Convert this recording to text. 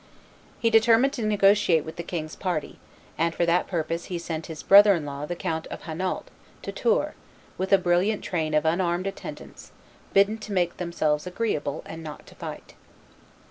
He determined to negotiate with the king's party, and for that purpose he sent his brother in law the Count of Hainault, to Tours, with a brilliant train of unarmed attendants, bidden to make themselves agreeable, and not to fight.